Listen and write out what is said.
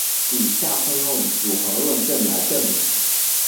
以下会用组合论述来证明。